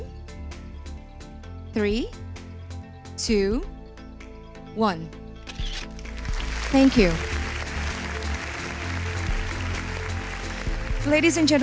kepada moderator dan direktur